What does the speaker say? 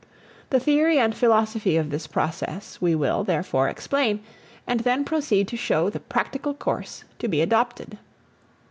The theory and philosophy of this process we will, therefore, explain, and then proceed to show the practical course to be adopted.